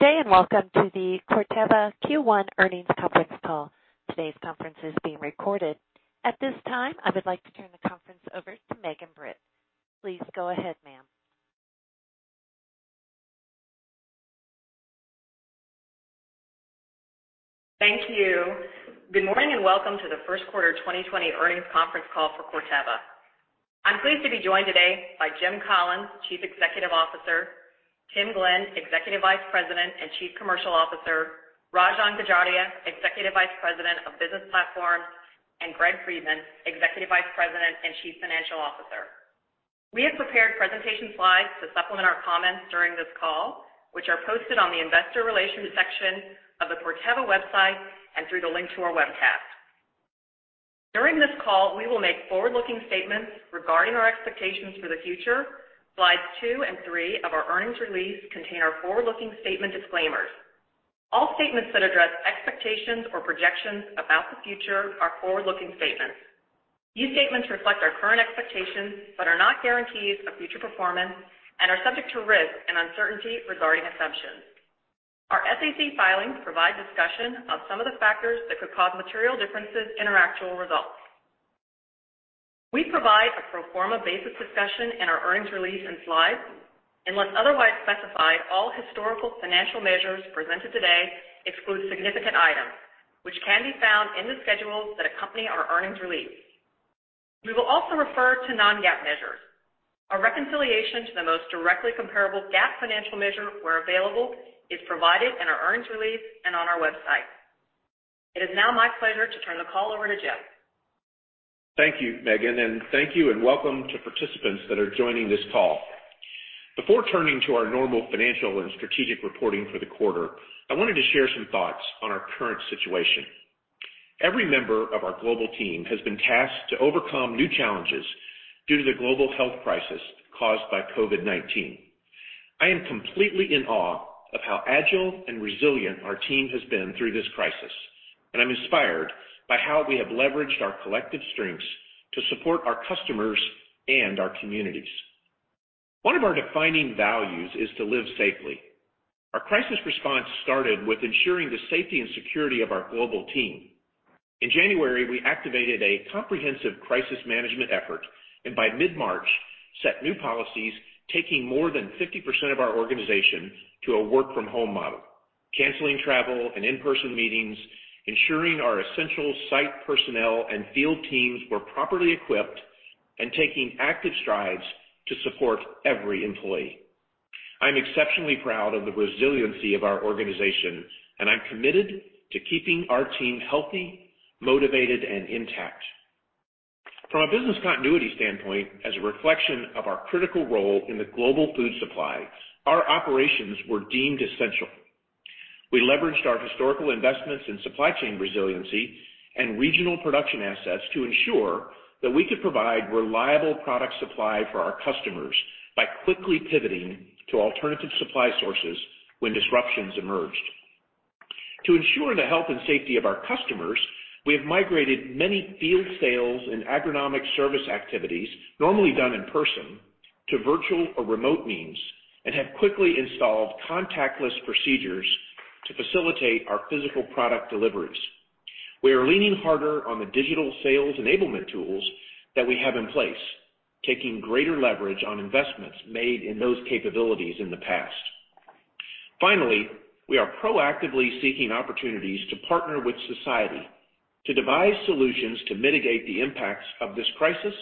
Good day. Welcome to the Corteva Q1 earnings conference call. Today's conference is being recorded. At this time, I would like to turn the conference over to Megan Britt. Please go ahead, ma'am. Thank you. Good morning, and welcome to the first quarter 2020 earnings conference call for Corteva. I'm pleased to be joined today by Jim Collins, Chief Executive Officer, Tim Glenn, Executive Vice President and Chief Commercial Officer, Rajan Gajaria, Executive Vice President of Business Platforms, and Greg Friedman, Executive Vice President and Chief Financial Officer. We have prepared presentation slides to supplement our comments during this call, which are posted on the investor relations section of the Corteva website and through the link to our webcast. During this call, we will make forward-looking statements regarding our expectations for the future. Slides two and three of our earnings release contain our forward-looking statement disclaimers. All statements that address expectations or projections about the future are forward-looking statements. These statements reflect our current expectations but are not guarantees of future performance and are subject to risk and uncertainty regarding assumptions. Our SEC filings provide discussion on some of the factors that could cause material differences in our actual results. We provide a pro forma basis discussion in our earnings release and slides. Unless otherwise specified, all historical financial measures presented today exclude significant items, which can be found in the schedules that accompany our earnings release. We will also refer to non-GAAP measures. A reconciliation to the most directly comparable GAAP financial measure, where available, is provided in our earnings release and on our website. It is now my pleasure to turn the call over to Jim. Thank you, Megan, and thank you and welcome to participants that are joining this call. Before turning to our normal financial and strategic reporting for the quarter, I wanted to share some thoughts on our current situation. Every member of our global team has been tasked to overcome new challenges due to the global health crisis caused by COVID-19. I am completely in awe of how agile and resilient our team has been through this crisis, and I'm inspired by how we have leveraged our collective strengths to support our customers and our communities. One of our defining values is to live safely. Our crisis response started with ensuring the safety and security of our global team. In January, we activated a comprehensive crisis management effort and by mid-March, set new policies taking more than 50% of our organization to a work-from-home model, canceling travel and in-person meetings, ensuring our essential site personnel and field teams were properly equipped, and taking active strides to support every employee. I'm exceptionally proud of the resiliency of our organization, and I'm committed to keeping our team healthy, motivated, and intact. From a business continuity standpoint, as a reflection of our critical role in the global food supply, our operations were deemed essential. We leveraged our historical investments in supply chain resiliency and regional production assets to ensure that we could provide reliable product supply for our customers by quickly pivoting to alternative supply sources when disruptions emerged. To ensure the health and safety of our customers, we have migrated many field sales and agronomic service activities, normally done in person, to virtual or remote means and have quickly installed contactless procedures to facilitate our physical product deliveries. We are leaning harder on the digital sales enablement tools that we have in place, taking greater leverage on investments made in those capabilities in the past. Finally, we are proactively seeking opportunities to partner with society to devise solutions to mitigate the impacts of this crisis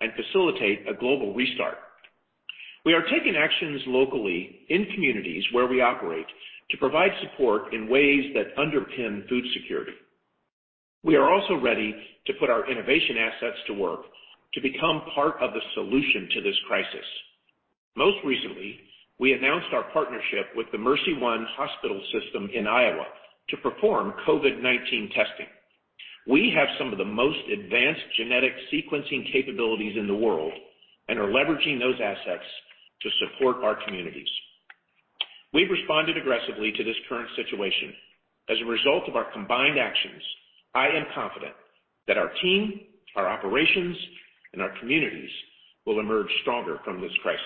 and facilitate a global restart. We are taking actions locally in communities where we operate to provide support in ways that underpin food security. We are also ready to put our innovation assets to work to become part of the solution to this crisis. Most recently, we announced our partnership with the MercyOne hospital system in Iowa to perform COVID-19 testing. We have some of the most advanced genetic sequencing capabilities in the world and are leveraging those assets to support our communities. We've responded aggressively to this current situation. As a result of our combined actions, I am confident that our team, our operations, and our communities will emerge stronger from this crisis.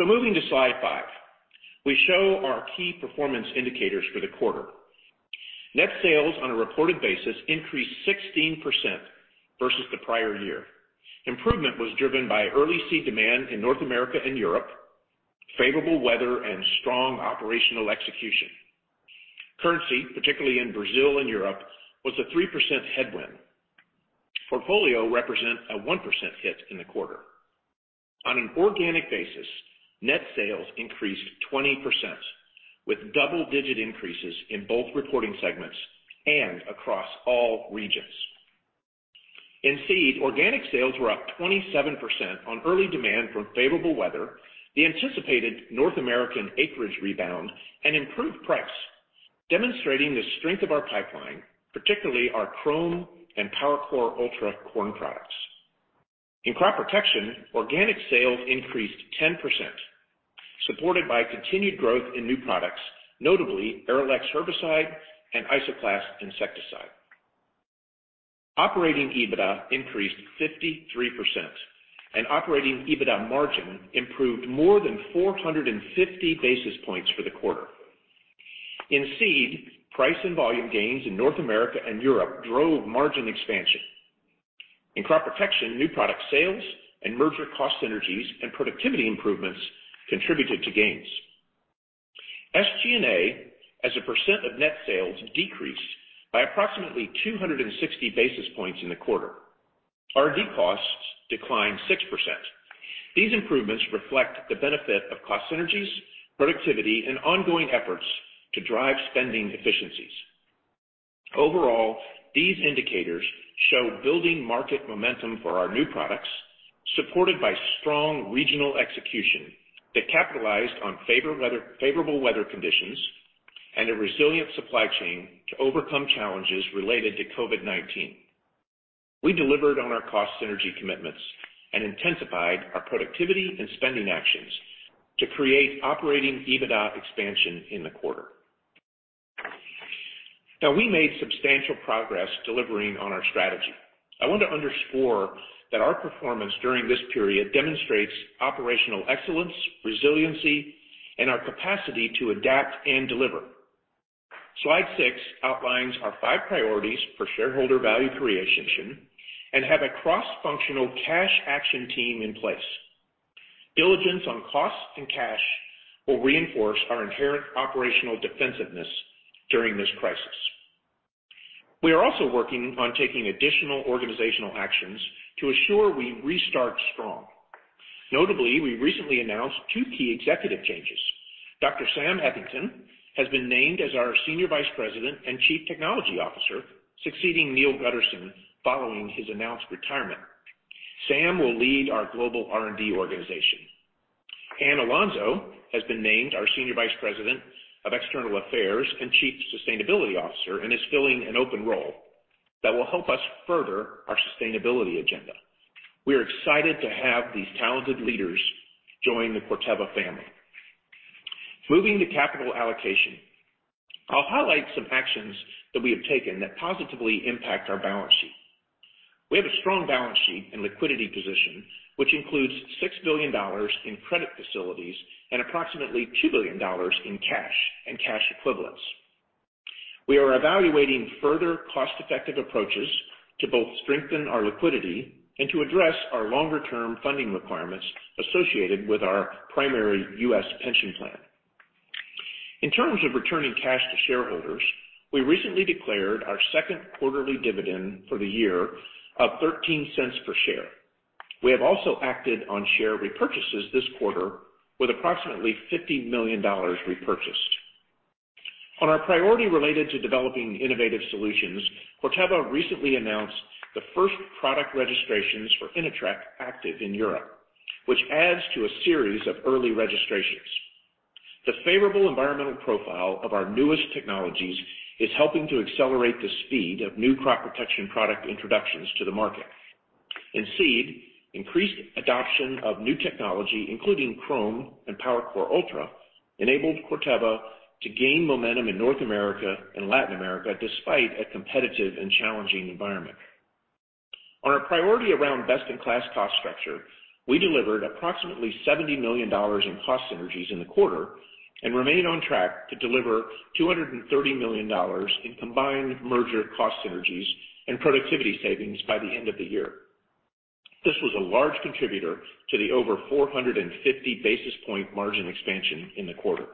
Moving to slide five, we show our key performance indicators for the quarter. Net sales on a reported basis increased 16% versus the prior year. Improvement was driven by early seed demand in North America and Europe, favorable weather, and strong operational execution. Currency, particularly in Brazil and Europe, was a 3% headwind. Portfolio represent a 1% hit in the quarter. On an organic basis, net sales increased 20%, with double-digit increases in both reporting segments and across all regions. In seed, organic sales were up 27% on early demand from favorable weather, the anticipated North American acreage rebound, and improved price, demonstrating the strength of our pipeline, particularly our Qrome and PowerCore Ultra corn products. In crop protection, organic sales increased 10%, supported by continued growth in new products, notably Arylex herbicide and Isoclast insecticide. Operating EBITDA increased 53%, and operating EBITDA margin improved more than 450 basis points for the quarter. In seed, price and volume gains in North America and Europe drove margin expansion. In crop protection, new product sales and merger cost synergies and productivity improvements contributed to gains. SG&A as a percent of net sales decreased by approximately 260 basis points in the quarter. R&D costs declined 6%. These improvements reflect the benefit of cost synergies, productivity, and ongoing efforts to drive spending efficiencies. Overall, these indicators show building market momentum for our new products, supported by strong regional execution that capitalized on favorable weather conditions and a resilient supply chain to overcome challenges related to COVID-19. We delivered on our cost synergy commitments and intensified our productivity and spending actions to create operating EBITDA expansion in the quarter. We made substantial progress delivering on our strategy. I want to underscore that our performance during this period demonstrates operational excellence, resiliency, and our capacity to adapt and deliver. Slide six outlines our five priorities for shareholder value creation and have a cross-functional cash action team in place. Diligence on cost and cash will reinforce our inherent operational defensiveness during this crisis. We are also working on taking additional organizational actions to assure we restart strong. Notably, we recently announced two key executive changes. Dr. Sam Eathington has been named as our Senior Vice President and Chief Technology Officer, succeeding Neal Gutterson following his announced retirement. Sam will lead our global R&D organization. Anne Alonzo has been named our Senior Vice President of External Affairs and Chief Sustainability Officer and is filling an open role that will help us further our sustainability agenda. We are excited to have these talented leaders join the Corteva family. Moving to capital allocation. I'll highlight some actions that we have taken that positively impact our balance sheet. We have a strong balance sheet and liquidity position, which includes $6 billion in credit facilities and approximately $2 billion in cash and cash equivalents. We are evaluating further cost-effective approaches to both strengthen our liquidity and to address our longer-term funding requirements associated with our primary U.S. pension plan. In terms of returning cash to shareholders, we recently declared our second quarterly dividend for the year of $0.13 per share. We have also acted on share repurchases this quarter with approximately $50 million repurchased. On our priority related to developing innovative solutions, Corteva recently announced the first product registrations for Inatreq active in Europe, which adds to a series of early registrations. The favorable environmental profile of our newest technologies is helping to accelerate the speed of new crop protection product introductions to the market. In seed, increased adoption of new technology, including Qrome and PowerCore Ultra, enabled Corteva to gain momentum in North America and Latin America, despite a competitive and challenging environment. On our priority around best-in-class cost structure, we delivered approximately $70 million in cost synergies in the quarter and remain on track to deliver $230 million in combined merger cost synergies and productivity savings by the end of the year. This was a large contributor to the over 450 basis point margin expansion in the quarter.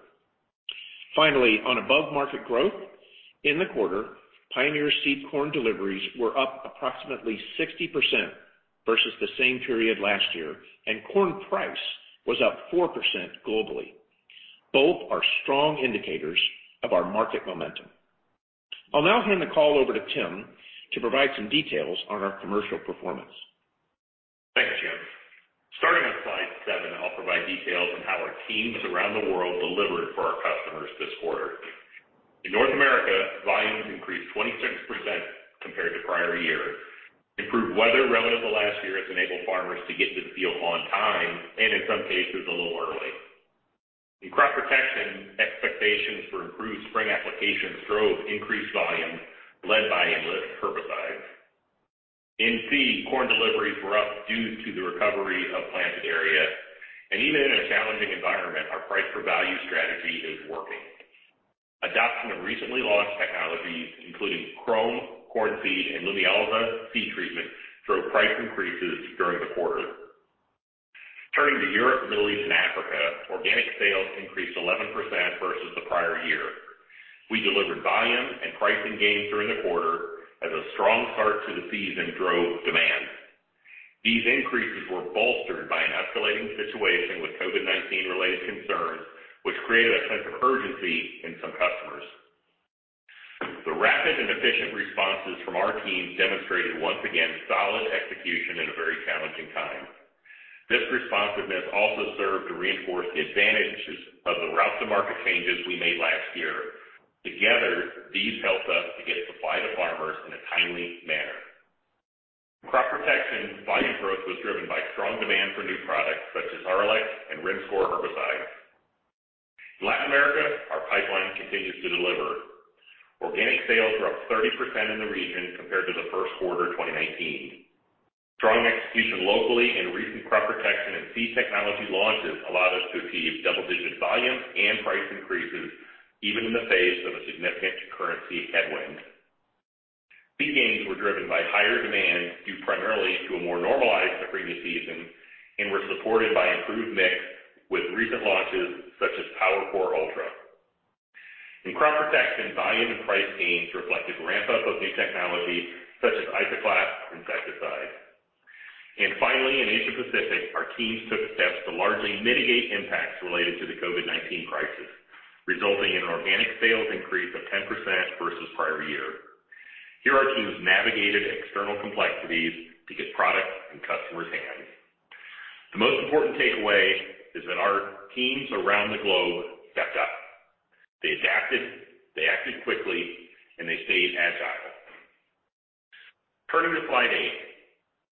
Finally, on above-market growth in the quarter, Pioneer seed corn deliveries were up approximately 60% versus the same period last year, and corn price was up 4% globally. Both are strong indicators of our market momentum. I'll now hand the call over to Tim to provide some details on our commercial performance. Thanks, Jim. Starting on slide seven, I'll provide details on how our teams around the world delivered for our customers this quarter. In North America, volumes increased 26% compared to prior year. Improved weather relative to last year has enabled farmers to get to the field on time, and in some cases, a little early. In crop protection, expectations for improved spring applications drove increased volume led by Enlist herbicides. In seed, corn deliveries were up due to the recovery of planted area. Even in a challenging environment, our price for value strategy is working. Adoption of recently launched technologies, including Qrome corn seed and Lumialza seed treatment, drove price increases during the quarter. Turning to Europe, Middle East, and Africa, organic sales increased 11% versus the prior year. We delivered volume and pricing gains during the quarter as a strong start to the season drove demand. These increases were bolstered by an escalating situation with COVID-19 related concerns, which created a sense of urgency in some customers. The rapid and efficient responses from our teams demonstrated, once again, solid execution in a very challenging time. This responsiveness also served to reinforce the advantages of the route-to-market changes we made last year. Together, these helped us to get supply to farmers in a timely manner. Crop protection volume growth was driven by strong demand for new products such as Arylex and Rinskor herbicides. In Latin America, our pipeline continues to deliver. Organic sales were up 30% in the region compared to the first quarter 2019. Strong execution locally and recent crop protection and seed technology launches allowed us to achieve double-digit volumes and price increases even in the face of a significant currency headwind. Seed gains were driven by higher demand due primarily to a more normalized spring season and were supported by improved mix with recent launches such as PowerCore Ultra. In Crop Protection, volume and price gains reflected ramp-up of new technologies such as Isoclast insecticide. Finally, in Asia Pacific, our teams took steps to largely mitigate impacts related to the COVID-19 crisis, resulting in an organic sales increase of 10% versus prior year. Here our teams navigated external complexities to get product in customers' hands. The most important takeaway is that our teams around the globe stepped up. They adapted, they acted quickly, and they stayed agile. Turning to slide eight,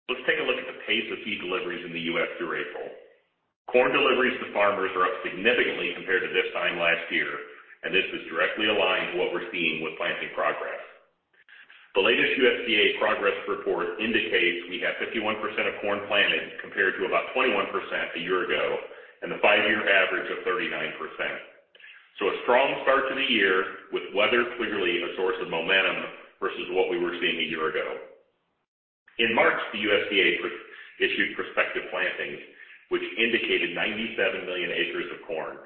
let's take a look at the pace of seed deliveries in the U.S. through April. Corn deliveries to farmers are up significantly compared to this time last year and this is directly aligned to what we're seeing with planting progress. The latest USDA progress report indicates we have 51% of corn planted compared to about 21% a year ago and the five-year average of 39%. A strong start to the year with weather clearly a source of momentum versus what we were seeing a year ago. In March, the USDA issued prospective plantings which indicated 97 million acres of corn.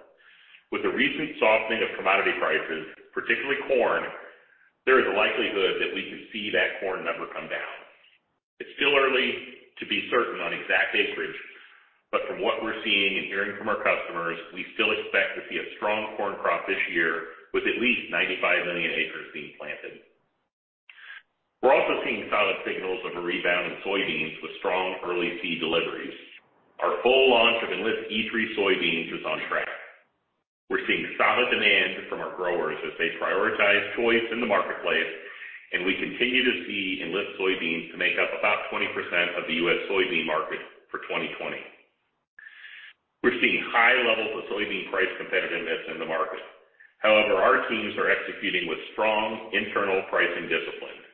With the recent softening of commodity prices, particularly corn, there is a likelihood that we could see that corn number come down. It's still early to be certain on exact acreage, but from what we're seeing and hearing from our customers, we still expect to see a strong corn crop this year with at least 95 million acres being planted. We're also seeing solid signals of a rebound in soybeans with strong early seed deliveries. Our full launch of Enlist E3 soybeans is on track. We're seeing solid demand from our growers as they prioritize choice in the marketplace. We continue to see Enlist soybeans make up about 20% of the U.S. soybean market for 2020. We're seeing high levels of soybean price competitiveness in the market. Our teams are executing with strong internal pricing discipline.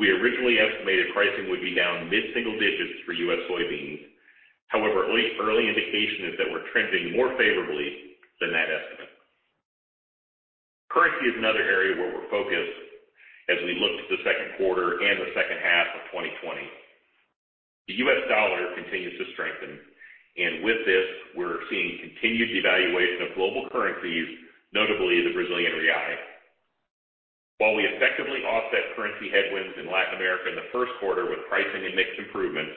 We originally estimated pricing would be down mid-single digits for U.S. soybeans. Early indication is that we're trending more favorably than that estimate. Currency is another area where we're focused as we look to the second quarter and the second half of 2020. The US dollar continues to strengthen. With this, we're seeing continued devaluation of global currencies, notably the Brazilian real. While we effectively offset currency headwinds in Latin America in the first quarter with pricing and mix improvements,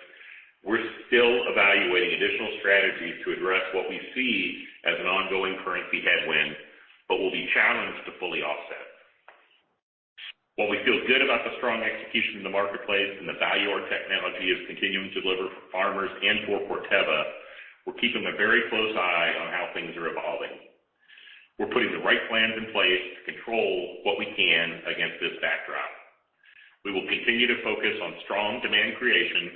we're still evaluating additional strategies to address what we see as an ongoing currency headwind, but will be challenged to fully offset. While we feel good about the strong execution in the marketplace and the value our technology is continuing to deliver for farmers and for Corteva, we're keeping a very close eye on how things are evolving. We're putting the right plans in place to control what we can against this backdrop. We will continue to focus on strong demand creation,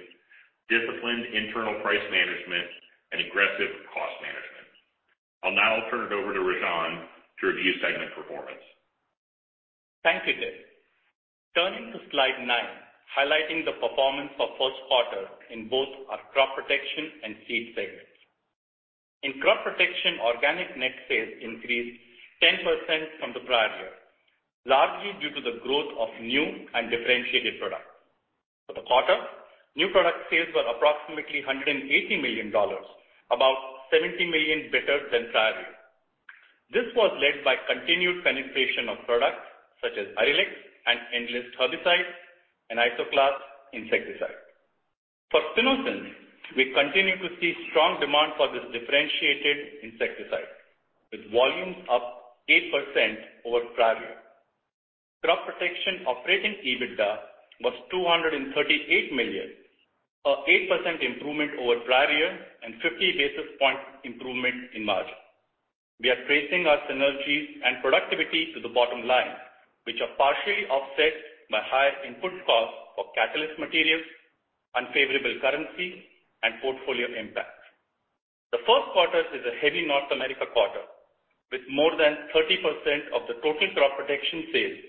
disciplined internal price management and aggressive cost management. I'll now turn it over to Rajan to review segment performance. Thank you, Dave. Turning to slide nine, highlighting the performance of first quarter in both our Crop Protection and Seeds segments. In Crop Protection, organic net sales increased 10% from the prior year, largely due to the growth of new and differentiated products. For the quarter, new product sales were approximately $180 million, about $70 million better than prior year. This was led by continued penetration of products such as Arylex and Enlist herbicides and Isoclast insecticide. For [postnatal], we continue to see strong demand for this differentiated insecticide with volumes up 8% over prior year. Crop Protection operating EBITDA was $238 million, an 8% improvement over prior year and 50 basis point improvement in margin. We are tracing our synergies and productivity to the bottom line, which are partially offset by higher input costs for catalyst materials, unfavorable currency and portfolio impact. The first quarter is a heavy North America quarter with more than 30% of the total Crop Protection sales,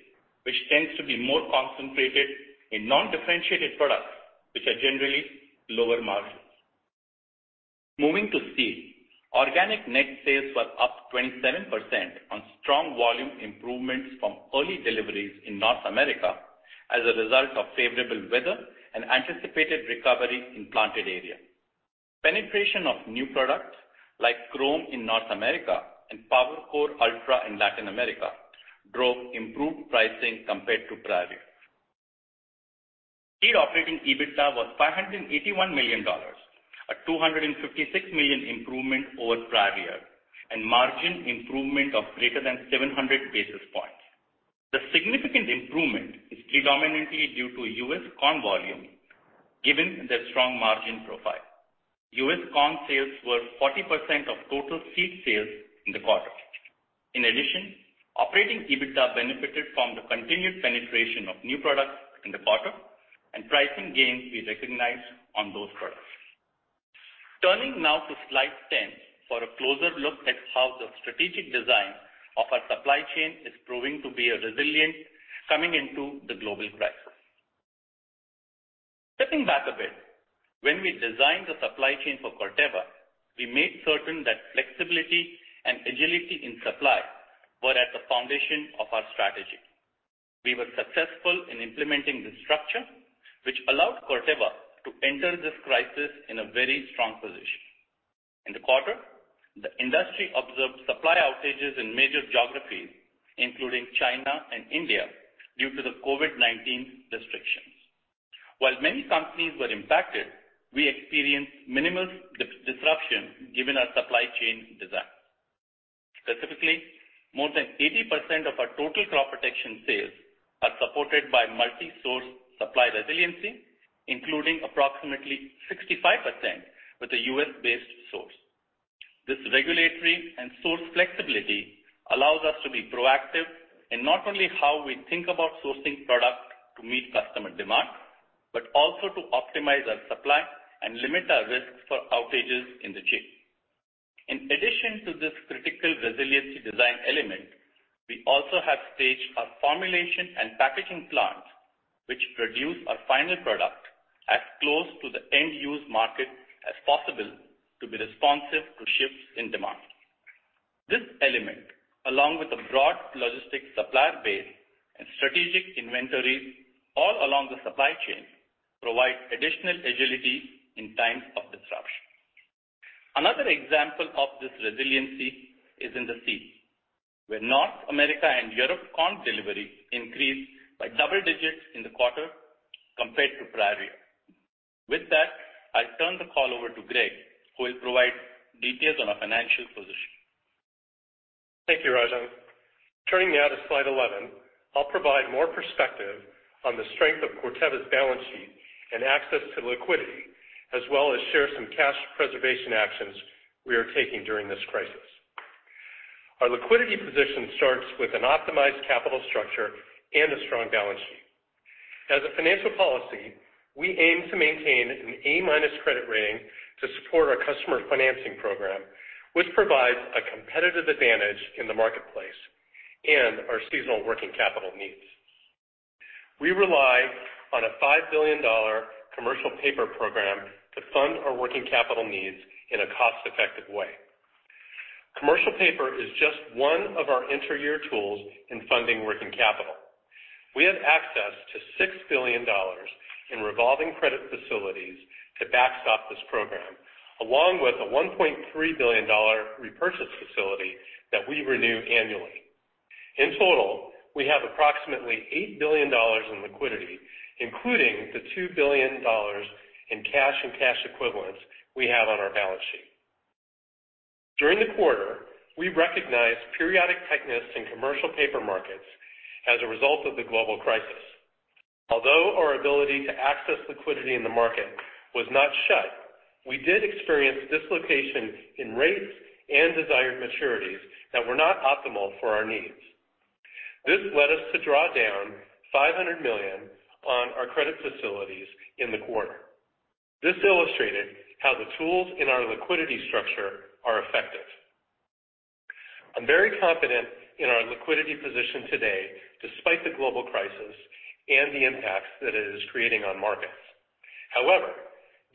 which tends to be more concentrated in non-differentiated products which are generally lower margins. Moving to Seed, organic net sales were up 27% on strong volume improvements from early deliveries in North America as a result of favorable weather and anticipated recovery in planted area. Penetration of new products like Qrome in North America and PowerCore Ultra in Latin America drove improved pricing compared to prior year. Seed operating EBITDA was $581 million, a $256 million improvement over prior year and margin improvement of greater than 700 basis points. The significant improvement is predominantly due to U.S. corn volume given their strong margin profile. U.S. corn sales were 40% of total seed sales in the quarter. In addition, operating EBITDA benefited from the continued penetration of new products in the quarter and pricing gains we recognized on those products. Turning now to slide 10 for a closer look at how the strategic design of our supply chain is proving to be a resilience coming into the global crisis. Stepping back a bit, when we designed the supply chain for Corteva, we made certain that flexibility and agility in supply were at the foundation of our strategy. We were successful in implementing this structure, which allowed Corteva to enter this crisis in a very strong position. In the quarter, the industry observed supply outages in major geographies, including China and India, due to the COVID-19 restrictions. While many companies were impacted, we experienced minimal disruption given our supply chain design. Specifically, more than 80% of our total crop protection sales are supported by multi-source supply resiliency, including approximately 65% with a U.S.-based source. This regulatory and source flexibility allows us to be proactive in not only how we think about sourcing product to meet customer demand, but also to optimize our supply and limit our risk for outages in the chain. In addition to this critical resiliency design element, we also have staged our formulation and packaging plants, which produce our final product as close to the end-use market as possible to be responsive to shifts in demand. This element, along with a broad logistics supplier base and strategic inventories all along the supply chain, provide additional agility in times of disruption. Another example of this resiliency is in the seed, where North America and Europe corn delivery increased by double digits in the quarter compared to prior year. With that, I turn the call over to Greg, who will provide details on our financial position. Thank you, Rajan. Turning now to slide 11, I'll provide more perspective on the strength of Corteva's balance sheet and access to liquidity, as well as share some cash preservation actions we are taking during this crisis. Our liquidity position starts with an optimized capital structure and a strong balance sheet. As a financial policy, we aim to maintain an A- credit rating to support our customer financing program, which provides a competitive advantage in the marketplace and our seasonal working capital needs. We rely on a $5 billion commercial paper program to fund our working capital needs in a cost-effective way. Commercial paper is just one of our inter-year tools in funding working capital. We have access to $6 billion in revolving credit facilities to backstop this program, along with a $1.3 billion repurchase facility that we renew annually. In total, we have approximately $8 billion in liquidity, including the $2 billion in cash and cash equivalents we have on our balance sheet. During the quarter, we recognized periodic tightness in commercial paper markets as a result of the global crisis. Although our ability to access liquidity in the market was not shut, we did experience dislocation in rates and desired maturities that were not optimal for our needs. This led us to draw down $500 million on our credit facilities in the quarter. This illustrated how the tools in our liquidity structure are effective. I'm very confident in our liquidity position today, despite the global crisis and the impacts that it is creating on markets.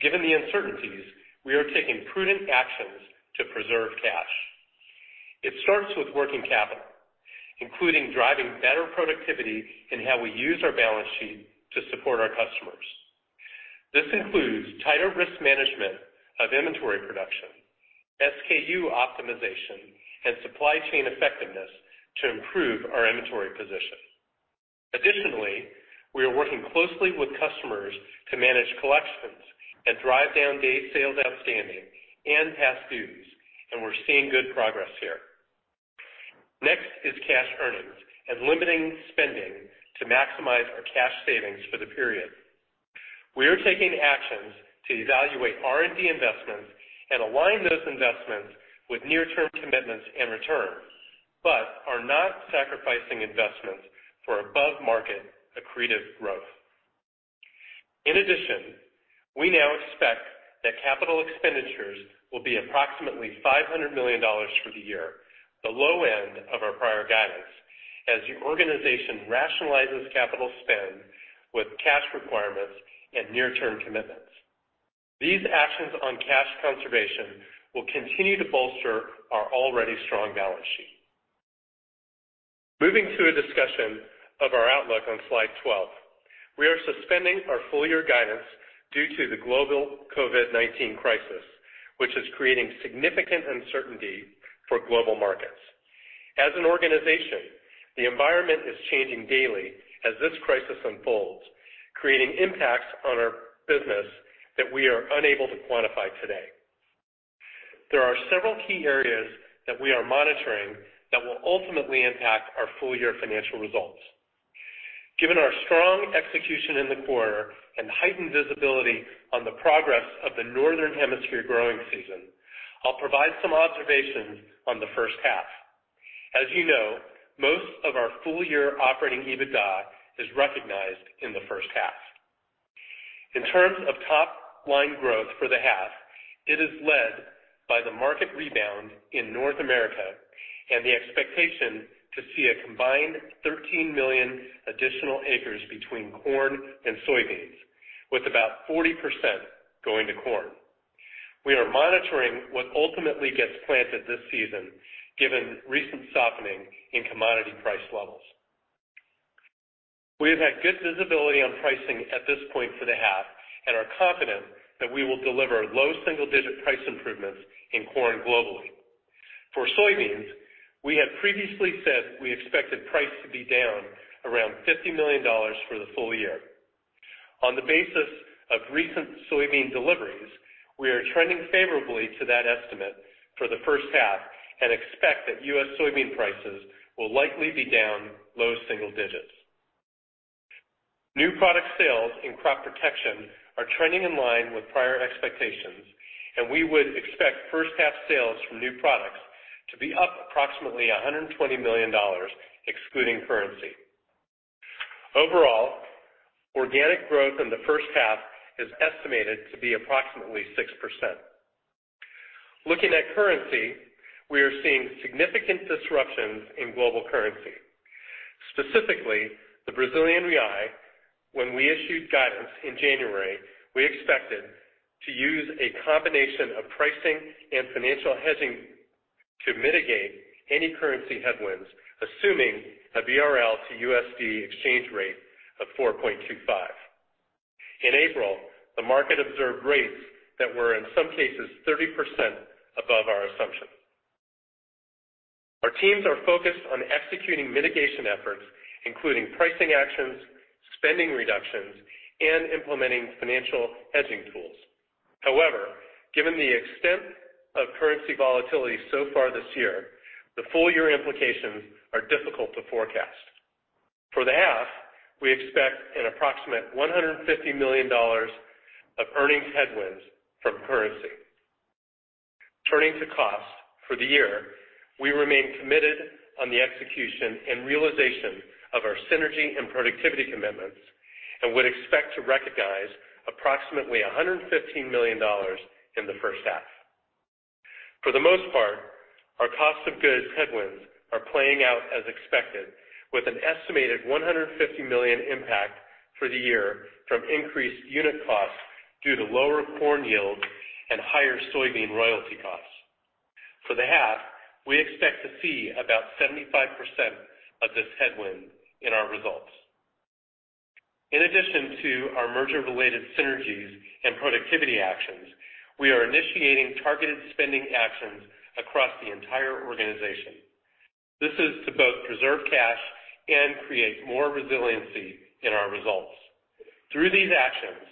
Given the uncertainties, we are taking prudent actions to preserve cash. It starts with working capital, including driving better productivity in how we use our balance sheet to support our customers. This includes tighter risk management of inventory production, SKU optimization, and supply chain effectiveness to improve our inventory position. Additionally, we are working closely with customers to manage collections and drive down day sales outstanding and past dues, and we're seeing good progress here. Next is cash earnings and limiting spending to maximize our cash savings for the period. We are taking actions to evaluate R&D investments and align those investments with near-term commitments and returns, but are not sacrificing investments for above-market accretive growth. In addition, we now expect that capital expenditures will be approximately $500 million for the year, the low end of our prior guidance, as the organization rationalizes capital spend with cash requirements and near-term commitments. These actions on cash conservation will continue to bolster our already strong balance sheet. Moving to a discussion of our outlook on slide 12. We are suspending our full-year guidance due to the global COVID-19 crisis, which is creating significant uncertainty for global markets. As an organization, the environment is changing daily as this crisis unfolds, creating impacts on our business that we are unable to quantify today. There are several key areas that we are monitoring that will ultimately impact our full-year financial results. Given our strong execution in the quarter and heightened visibility on the progress of the Northern Hemisphere growing season, I'll provide some observations on the first half. As you know, most of our full-year operating EBITDA is recognized in the first half. In terms of top-line growth for the half, it is led by the market rebound in North America and the expectation to see a combined 13 million additional acres between corn and soybeans, with about 40% going to corn. We are monitoring what ultimately gets planted this season, given recent softening in commodity price levels. We have had good visibility on pricing at this point for the half and are confident that we will deliver low single-digit price improvements in corn globally. For soybeans, we had previously said we expected price to be down around $50 million for the full year. On the basis of recent soybean deliveries, we are trending favorably to that estimate for the first half and expect that U.S. soybean prices will likely be down low single digits. New product sales in crop protection are trending in line with prior expectations, and we would expect first half sales from new products to be up approximately $120 million excluding currency. Overall, organic growth in the first half is estimated to be approximately 6%. Looking at currency, we are seeing significant disruptions in global currency, specifically the Brazilian real. When we issued guidance in January, we expected to use a combination of pricing and financial hedging to mitigate any currency headwinds, assuming a BRL to USD exchange rate of 4.25. In April, the market observed rates that were in some cases 30% above our assumption. Our teams are focused on executing mitigation efforts, including pricing actions, spending reductions, and implementing financial hedging tools. However, given the extent of currency volatility so far this year, the full-year implications are difficult to forecast. For the half, we expect an approximate $150 million of earnings headwinds from currency. Turning to cost for the year, we remain committed on the execution and realization of our synergy and productivity commitments and would expect to recognize approximately $115 million in the first half. For the most part, our cost of goods headwinds are playing out as expected, with an estimated $150 million impact for the year from increased unit costs due to lower corn yields and higher soybean royalty costs. For the half, we expect to see about 75% of this headwind in our results. In addition to our merger-related synergies and productivity actions, we are initiating targeted spending actions across the entire organization. This is to both preserve cash and create more resiliency in our results. Through these actions,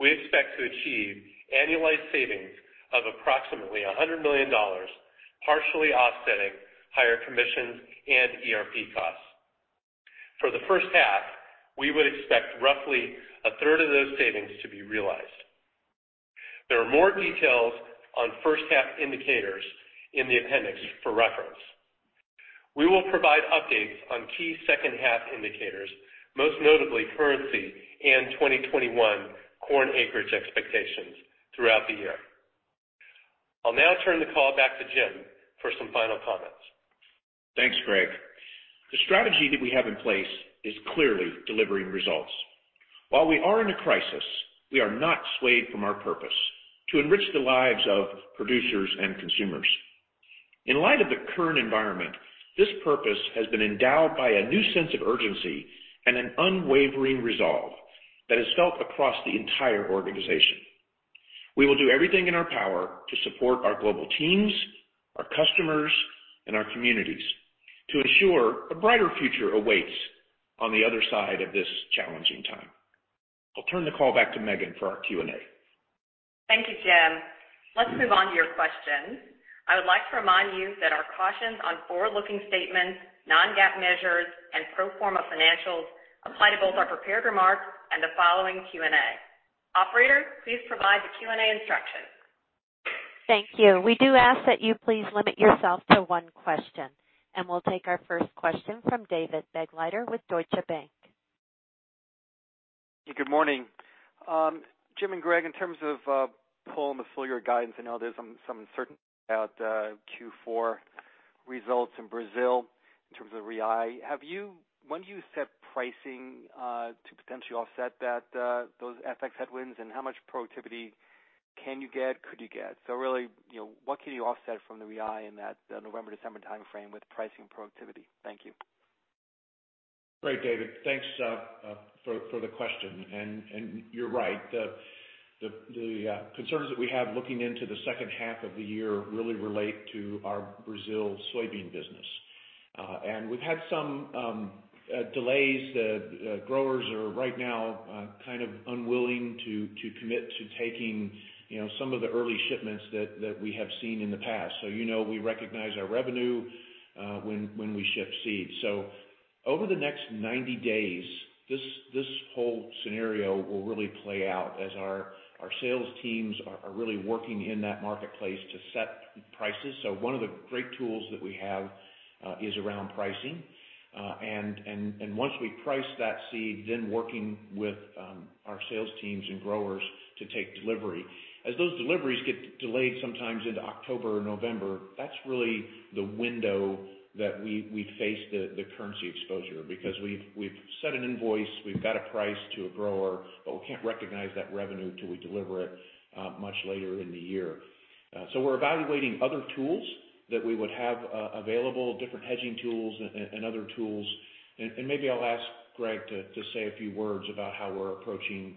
we expect to achieve annualized savings of approximately $100 million, partially offsetting higher commissions and ERP costs. For the first half, we would expect roughly a third of those savings to be realized. There are more details on first half indicators in the appendix for reference. We will provide updates on key second half indicators, most notably currency and 2021 corn acreage expectations throughout the year. I will now turn the call back to Jim for some final comments. Thanks, Greg. The strategy that we have in place is clearly delivering results. While we are in a crisis, we are not swayed from our purpose: to enrich the lives of producers and consumers. In light of the current environment, this purpose has been endowed by a new sense of urgency and an unwavering resolve that is felt across the entire organization. We will do everything in our power to support our global teams, our customers, and our communities to ensure a brighter future awaits on the other side of this challenging time. I'll turn the call back to Megan for our Q&A. Thank you, Jim. Let's move on to your questions. I would like to remind you that our cautions on forward-looking statements, non-GAAP measures, and pro forma financials apply to both our prepared remarks and the following Q&A. Operator, please provide the Q&A instructions. Thank you. We do ask that you please limit yourself to one question, and we'll take our first question from David Begleiter with Deutsche Bank. Good morning. Jim and Greg, in terms of pulling the full year guidance, I know there's some uncertainty about Q4 results in Brazil in terms of BRL. When do you set pricing to potentially offset those FX headwinds, and how much productivity can you get? Really, what can you offset from the BRL in that November, December timeframe with pricing productivity? Thank you. Great, David. Thanks for the question. You're right. The concerns that we have looking into the second half of the year really relate to our Brazil soybean business. We've had some delays. The growers are right now kind of unwilling to commit to taking some of the early shipments that we have seen in the past. You know we recognize our revenue when we ship seeds. Over the next 90 days, this whole scenario will really play out as our sales teams are really working in that marketplace to set prices. One of the great tools that we have is around pricing. Once we price that seed, then working with our sales teams and growers to take delivery. As those deliveries get delayed sometimes into October or November, that's really the window that we face the currency exposure, because we've set an invoice, we've got a price to a grower, but we can't recognize that revenue till we deliver it much later in the year. We're evaluating other tools that we would have available, different hedging tools and other tools. Maybe I'll ask Greg to say a few words about how we're approaching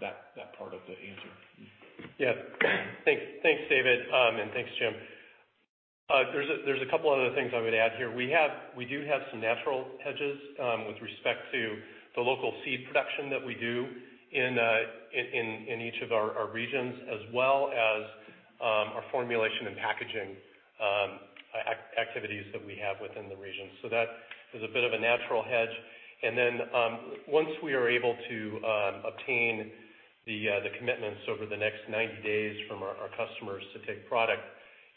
that part of the answer. Yeah. Thanks, David, and thanks, Jim. There's a couple other things I'm going to add here. We do have some natural hedges with respect to the local seed production that we do in each of our regions, as well as our formulation and packaging activities that we have within the region. That is a bit of a natural hedge. Once we are able to obtain the commitments over the next 90 days from our customers to take product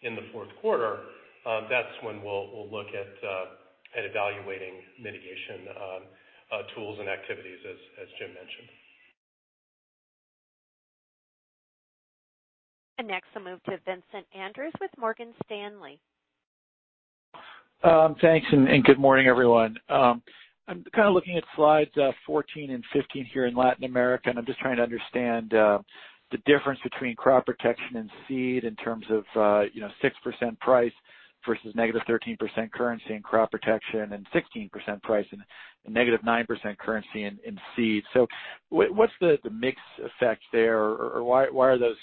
in the fourth quarter, that's when we'll look at evaluating mitigation tools and activities as Jim mentioned. Next, I'll move to Vincent Andrews with Morgan Stanley. Thanks, good morning, everyone. I'm kind of looking at slides 14 and 15 here in Latin America, I'm just trying to understand the difference between crop protection and seed in terms of 6% price versus -13% currency in crop protection and 16% price and -9% currency in seeds. What's the mix effect there? Why are the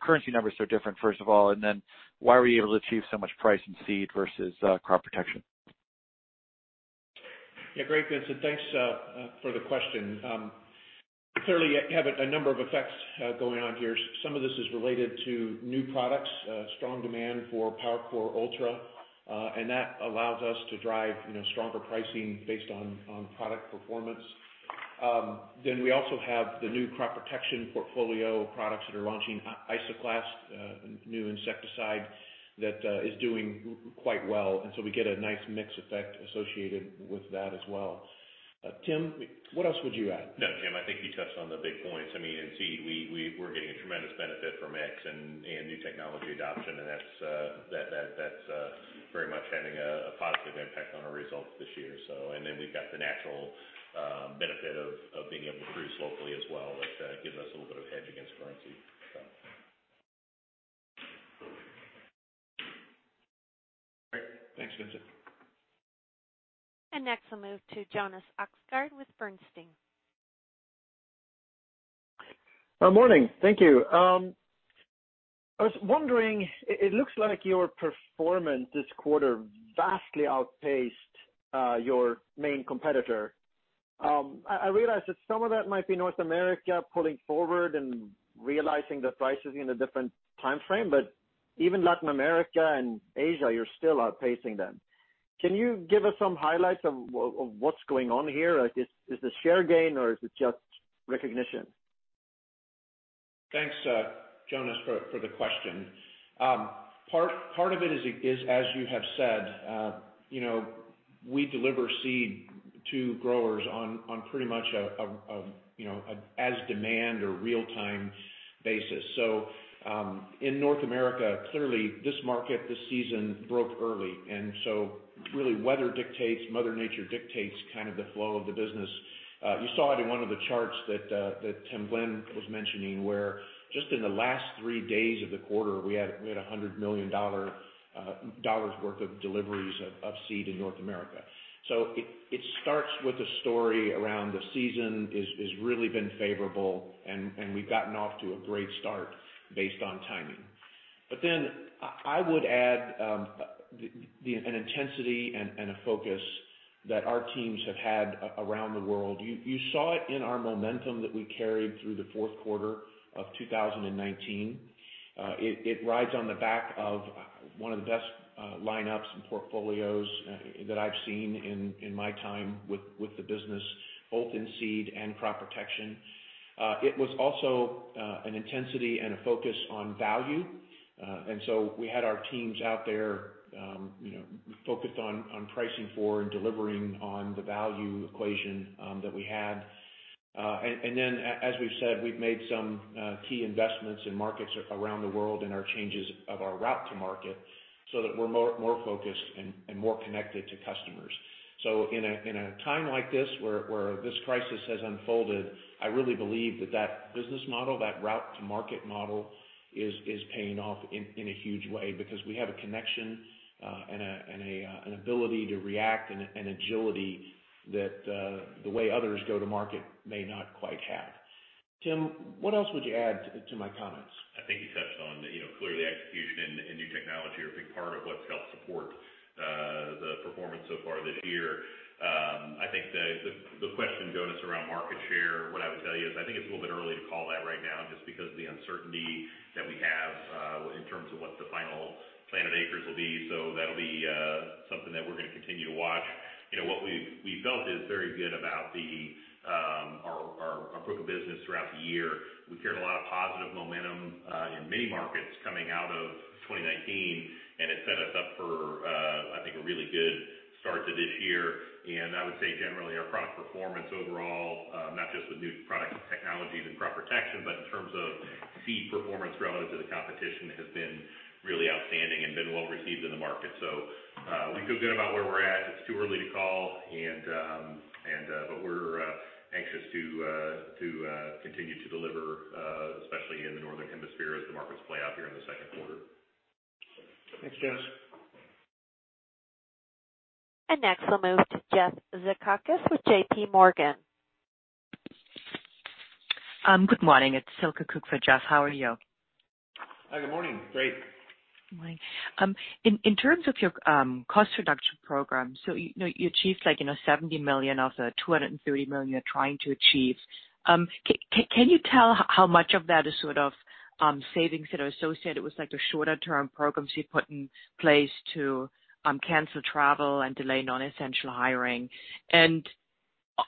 currency numbers so different, first of all, then why were you able to achieve so much price in seed versus crop protection? Yeah, great, Vincent. Thanks for the question. Clearly, you have a number of effects going on here. Some of this is related to new products, strong demand for PowerCore Ultra, and that allows us to drive stronger pricing based on product performance. We also have the new crop protection portfolio of products that are launching Isoclast, a new insecticide that is doing quite well, and so we get a nice mix effect associated with that as well. Tim, what else would you add? No, Jim, I think you touched on the big points. I mean, in seed, we're getting a tremendous benefit from X and new technology adoption, and that's very much having a positive impact on our results this year. We've got the natural benefit of being able to produce locally as well, that's giving us a little bit of hedge against currency. All right. Thanks, Vincent. Next I'll move to Jonas Oxgaard with Bernstein. Morning. Thank you. I was wondering, it looks like your performance this quarter vastly outpaced your main competitor. I realize that some of that might be North America pulling forward and realizing the prices in a different timeframe, but even Latin America and Asia, you're still outpacing them. Can you give us some highlights of what's going on here? Is this share gain or is it just recognition? Thanks, Jonas, for the question. Part of it is as you have said. We deliver seed to growers on pretty much an as-demand or real-time basis. In North America, clearly this market, this season broke early, really weather dictates, Mother Nature dictates kind of the flow of the business. You saw it in one of the charts that Tim Glenn was mentioning where just in the last three days of the quarter, we had $100 million worth of deliveries of seed in North America. It starts with a story around the season has really been favorable, and we've gotten off to a great start based on timing. I would add an intensity and a focus that our teams have had around the world. You saw it in our momentum that we carried through the fourth quarter of 2019. It rides on the back of one of the best lineups and portfolios that I've seen in my time with the business, both in seed and crop protection. It was also an intensity and a focus on value. We had our teams out there focused on pricing for and delivering on the value equation that we had. As we've said, we've made some key investments in markets around the world and our changes of our route to market so that we're more focused and more connected to customers. In a time like this, where this crisis has unfolded, I really believe that business model, that route to market model is paying off in a huge way because we have a connection and an ability to react and an agility that the way others go to market may not quite have. Tim, what else would you add to my comments? I think you touched on it. Clearly execution and new technology are a big part of what's helped support the performance so far this year. On market share, what I would tell you is I think it's a little bit early to call that right now, just because of the uncertainty that we have in terms of what the final planted acres will be. That'll be something that we're going to continue to watch. What we felt is very good about our book of business throughout the year. We carried a lot of positive momentum in many markets coming out of 2019, it set us up for, I think, a really good start to this year. I would say generally our product performance overall, not just with new products and technologies and crop protection, but in terms of seed performance relative to the competition, has been really outstanding and been well-received in the market. We feel good about where we're at. It's too early to call, but we're anxious to continue to deliver, especially in the Northern Hemisphere as the markets play out here in the second quarter. Thanks, Jonas. Next we'll move to Jeff Zekauskas with JPMorgan. Good morning, it's Silke Kueck for Jeff. How are you? Hi, good morning. Great. Good morning. In terms of your cost reduction program, you achieved $70 million of the $230 million you're trying to achieve. Can you tell how much of that is savings that are associated with the shorter-term programs you put in place to cancel travel and delay non-essential hiring?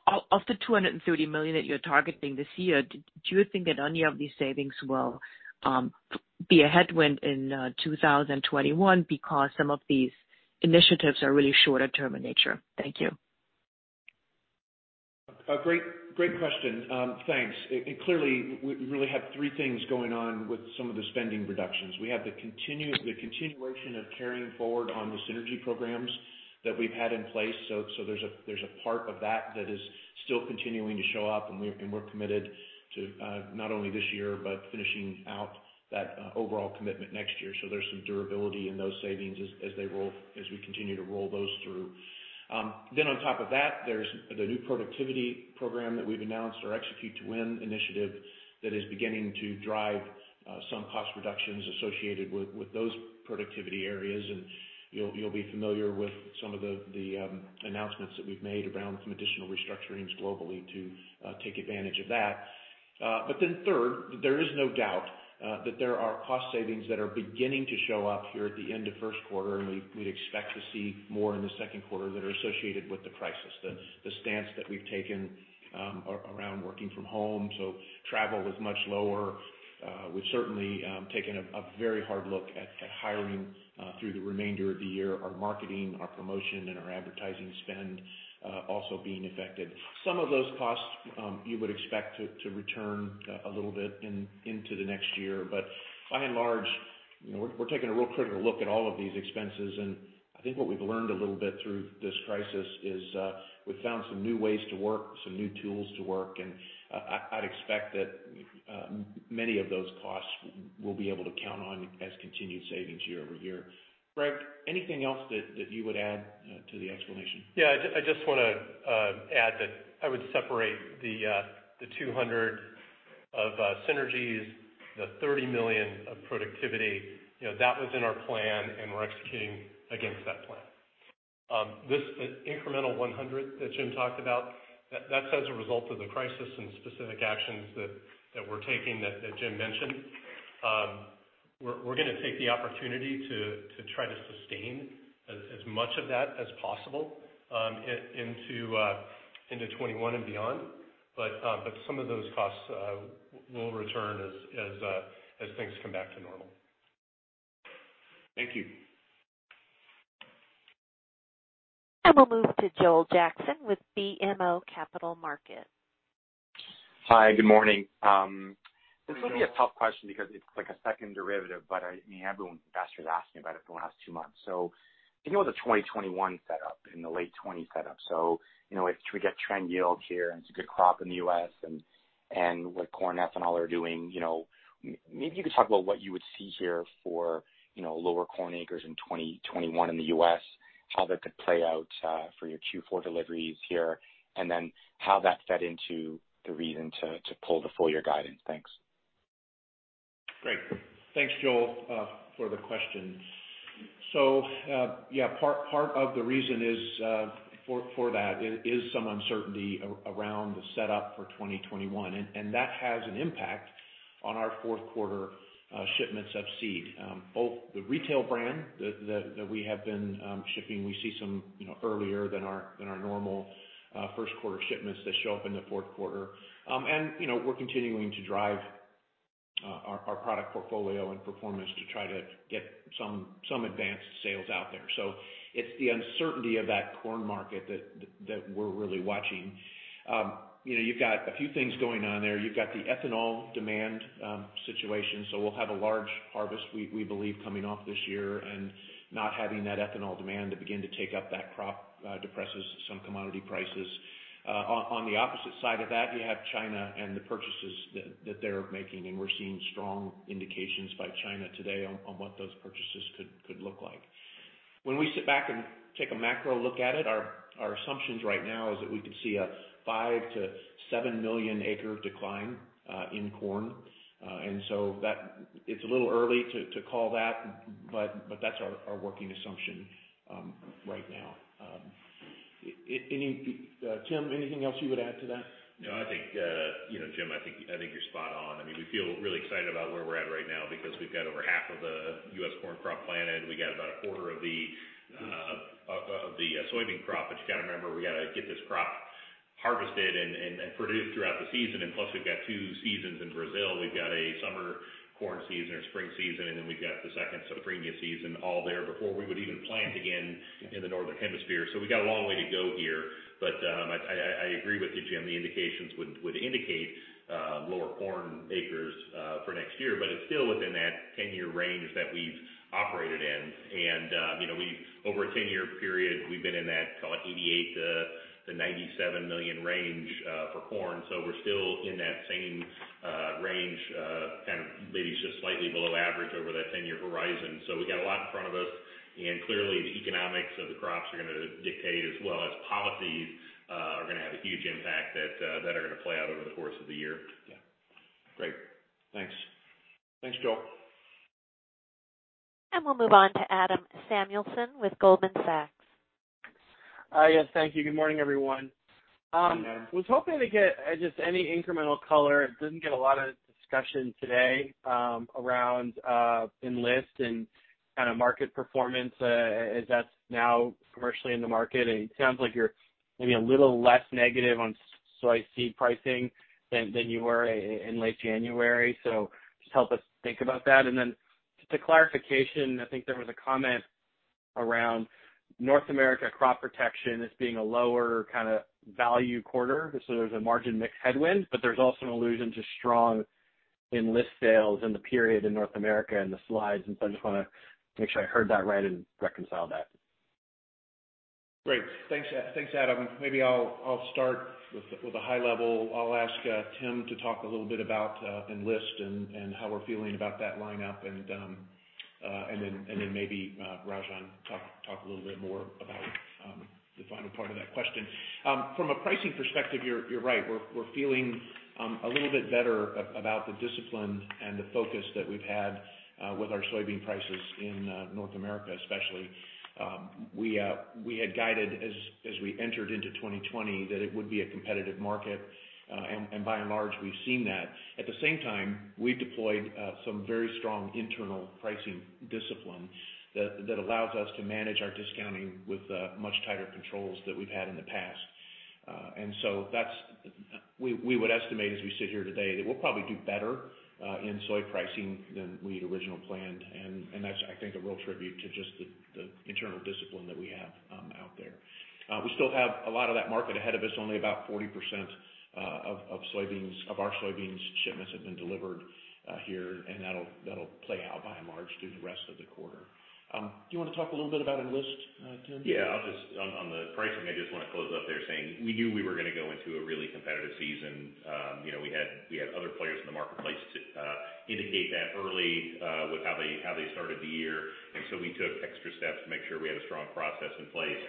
Of the $230 million that you're targeting this year, do you think that any of these savings will be a headwind in 2021 because some of these initiatives are really shorter term in nature? Thank you. Great question. Thanks. Clearly, we really have three things going on with some of the spending reductions. We have the continuation of carrying forward on the synergy programs that we've had in place. There's a part of that that is still continuing to show up, and we're committed to, not only this year, but finishing out that overall commitment next year. There's some durability in those savings as we continue to roll those through. On top of that, there's the new productivity program that we've announced, our Execute to Win initiative, that is beginning to drive some cost reductions associated with those productivity areas. You'll be familiar with some of the announcements that we've made around some additional restructurings globally to take advantage of that. Third, there is no doubt that there are cost savings that are beginning to show up here at the end of first quarter, and we'd expect to see more in the second quarter that are associated with the crisis. The stance that we've taken around working from home. Travel is much lower. We've certainly taken a very hard look at hiring through the remainder of the year. Our marketing, our promotion, and our advertising spend also being affected. Some of those costs you would expect to return a little bit into the next year. By and large, we're taking a real critical look at all of these expenses. I think what we've learned a little bit through this crisis is we've found some new ways to work, some new tools to work, and I'd expect that many of those costs we'll be able to count on as continued savings year-over-year. Greg, anything else that you would add to the explanation? Yeah, I just want to add that I would separate the $200 of synergies, the $30 million of productivity. That was in our plan, and we're executing against that plan. This incremental $100 that Jim talked about, that's as a result of the crisis and specific actions that we're taking that Jim mentioned. We're going to take the opportunity to try to sustain as much of that as possible into 2021 and beyond. Some of those costs will return as things come back to normal. Thank you. We'll move to Joel Jackson with BMO Capital Markets. Hi, good morning. This will be a tough question because it's like a second derivative, but everyone, investors are asking about it for the last two months. Thinking about the 2021 setup and the late 2020 setup. If we get trend yield here and it's a good crop in the U.S. and what corn ethanol are doing. Maybe you could talk about what you would see here for lower corn acres in 2021 in the U.S., how that could play out for your Q4 deliveries here, and then how that fed into the reason to pull the full year guidance. Thanks. Great. Thanks, Joel, for the question. Yeah, part of the reason for that is some uncertainty around the setup for 2021. That has an impact on our fourth quarter shipments of seed. Both the retail brand that we see some earlier than our normal 1st quarter shipments that show up in the fourth quarter. We're continuing to drive our product portfolio and performance to try to get some advanced sales out there. It's the uncertainty of that corn market that we're really watching. You've got a few things going on there. You've got the ethanol demand situation. We'll have a large harvest, we believe, coming off this year. Not having that ethanol demand to begin to take up that crop depresses some commodity prices. On the opposite side of that, you have China and the purchases that they're making. We're seeing strong indications by China today on what those purchases could look like. When we sit back and take a macro look at it, our assumptions right now is that we could see a 5 million-7 million acre decline in corn. It's a little early to call that, but that's our working assumption right now. Tim, anything else you would add to that? No, Jim, I think you're spot on. We feel really excited about where we're at right now because we've got over half of the U.S. corn crop planted. We got about a quarter of the soybean crop, but you got to remember, we got to get this crop harvested and produced throughout the season. Plus, we've got two seasons in Brazil. We've got a summer corn season or spring season, and then we've got the second safrinha season all there before we would even plant again in the northern hemisphere. We got a long way to go here. I agree with you, Jim, the indications would indicate lower corn acres for next year, but it's still within that 10-year range that we've operated in. Over a 10-year period, we've been in that kind of 88 million-97 million range for corn. We're still in that same range, maybe just slightly below average over that 10-year horizon. We got a lot in front of us, and clearly the economics of the crops are going to dictate, as well as policies are going to have a huge impact that are going to play out over the course of the year. Yeah. Great. Thanks. Thanks, Joel. We'll move on to Adam Samuelson with Goldman Sachs. Yes, thank you. Good morning, everyone. Good morning, Adam. Was hoping to get just any incremental color, didn't get a lot of discussion today around Enlist and kind of market performance as that's now commercially in the market. It sounds like you're maybe a little less negative on soy seed pricing than you were in late January. Just help us think about that. Then just a clarification, I think there was a comment around North America crop protection as being a lower kind of value quarter. There's a margin mix headwind, but there's also an allusion to strong Enlist sales in the period in North America and the slides. I just want to make sure I heard that right and reconcile that. Great. Thanks, Adam. Maybe I'll start with the high level. I'll ask Tim to talk a little bit about Enlist and how we're feeling about that lineup and then maybe Rajan talk a little bit more about the final part of that question. From a pricing perspective, you're right. We're feeling a little bit better about the discipline and the focus that we've had with our soybean prices in North America, especially. We had guided as we entered into 2020 that it would be a competitive market. By and large, we've seen that. At the same time, we've deployed some very strong internal pricing discipline that allows us to manage our discounting with much tighter controls than we've had in the past. We would estimate as we sit here today that we'll probably do better in soy pricing than we'd original planned. That's, I think, a real tribute to just the internal discipline that we have out there. We still have a lot of that market ahead of us. Only about 40% of our soybeans shipments have been delivered here, and that'll play out by and large through the rest of the quarter. Do you want to talk a little bit about Enlist, Tim? Yeah. On the pricing, I just want to close up there saying, we knew we were going to go into a really competitive season. We had other players in the marketplace indicate that early with how they started the year. We took extra steps to make sure we had a strong process in place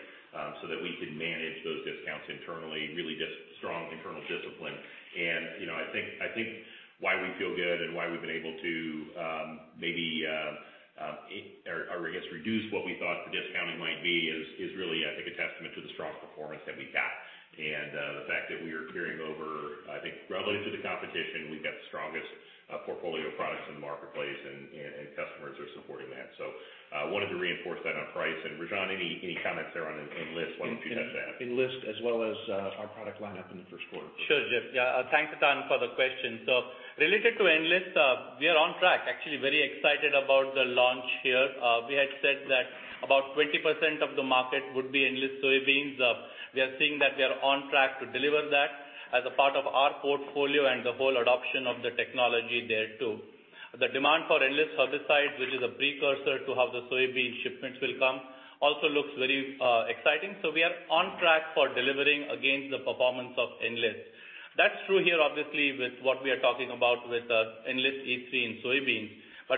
so that we could manage those discounts internally, really just strong internal discipline. I think why we feel good and why we've been able to maybe, I guess, reduce what we thought the discounting might be is really, I think a testament to the strong performance that we've got. The fact that we are carrying over, I think relative to the competition, we've got the strongest portfolio of products in the marketplace and customers are supporting that. Wanted to reinforce that on price and Rajan, any comments there on Enlist? Why don't you touch that? Enlist as well as our product lineup in the first quarter. Sure, Jim. Thanks again for the question. Related to Enlist, we are on track, actually very excited about the launch here. We had said that about 20% of the market would be Enlist soybeans. We are seeing that we are on track to deliver that as a part of our portfolio and the whole adoption of the technology there too. The demand for Enlist herbicide, which is a precursor to how the soybean shipments will come, also looks very exciting. We are on track for delivering against the performance of Enlist. That's true here, obviously, with what we are talking about with Enlist E3 in soybeans.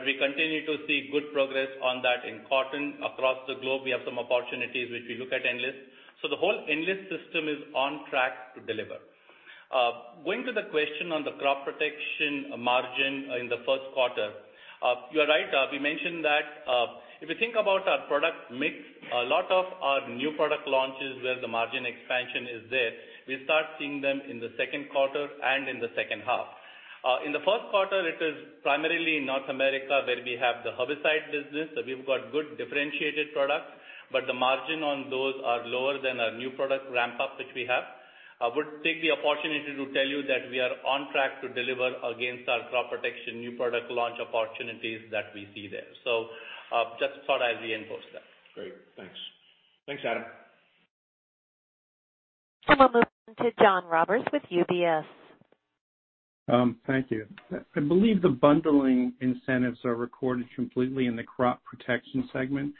We continue to see good progress on that in cotton across the globe. We have some opportunities which we look at Enlist. The whole Enlist system is on track to deliver. Going to the question on the crop protection margin in the first quarter. You're right, we mentioned that if you think about our product mix, a lot of our new product launches where the margin expansion is there, we start seeing them in the second quarter and in the second half. In the first quarter, it is primarily North America where we have the herbicide business. We've got good differentiated products, but the margin on those are lower than our new product ramp-up, which we have. I would take the opportunity to tell you that we are on track to deliver against our crop protection new product launch opportunities that we see there. Just thought I'd reinforce that. Great. Thanks. Thanks, Adam. We'll move on to John Roberts with UBS. Thank you. I believe the bundling incentives are recorded completely in the crop protection segment.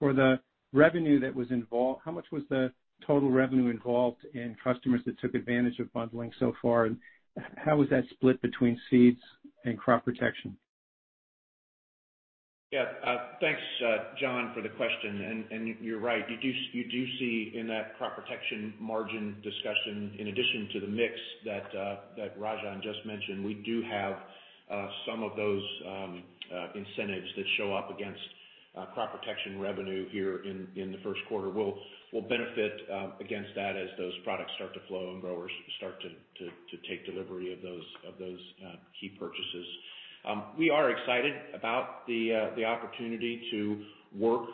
For the revenue that was involved, how much was the total revenue involved in customers that took advantage of bundling so far? How was that split between seeds and crop protection? Yeah. Thanks, John, for the question. You're right, you do see in that crop protection margin discussion, in addition to the mix that Rajan just mentioned, we do have some of those incentives that show up against. Crop protection revenue here in the first quarter will benefit against that as those products start to flow and growers start to take delivery of those key purchases. We are excited about the opportunity to work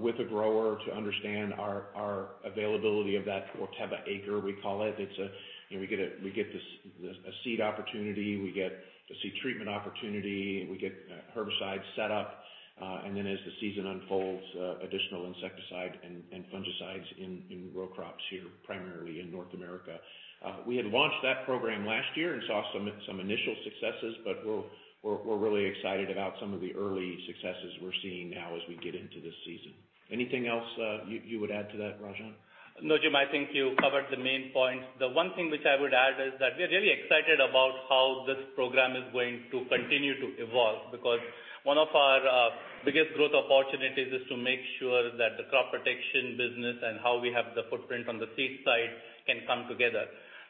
with a grower to understand our availability of that Corteva acre, we call it. We get a seed opportunity, we get a seed treatment opportunity, we get herbicide set up, and then as the season unfolds, additional insecticide and fungicides in row crops here, primarily in North America. We had launched that program last year and saw some initial successes. We're really excited about some of the early successes we're seeing now as we get into this season. Anything else you would add to that, Rajan? No, Jim, I think you covered the main points. The one thing which I would add is that we're really excited about how this program is going to continue to evolve. One of our biggest growth opportunities is to make sure that the crop protection business and how we have the footprint on the seed side can come together.